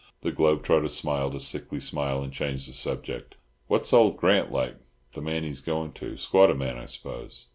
The globe trotter smiled a sickly smile, and changed the subject. "What's old Grant like—the man he's going to? Squatter man, I suppose?"